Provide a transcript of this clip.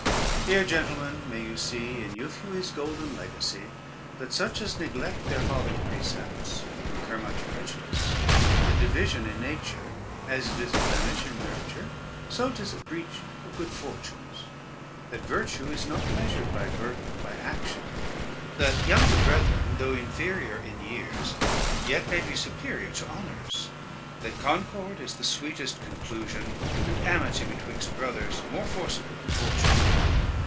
Here, gentlemen, may you see in Euphues' Golden Legacy, that such as neglect their fathers' precepts, incur much prejudice; that division in nature, as it is a blemish in nurture, so 'tis a breach of good fortunes; that virtue is not measured by birth but by action; that younger brethren, though inferior in years, yet may be superior to honors; that concord is the sweetest conclusion, and amity betwixt brothers more forceable than fortune.